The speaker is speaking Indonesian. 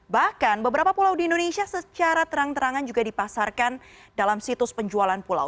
bahkan beberapa pulau di indonesia secara terang terangan juga dipasarkan dalam situs penjualan pulau